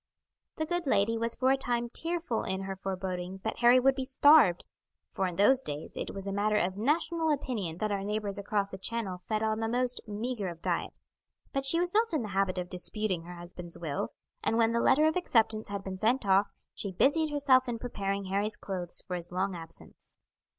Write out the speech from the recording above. The good lady was for a time tearful in her forebodings that Harry would be starved, for in those days it was a matter of national opinion that our neighbours across the Channel fed on the most meagre of diet; but she was not in the habit of disputing her husband's will, and when the letter of acceptance had been sent off, she busied herself in preparing Harry's clothes for his long absence.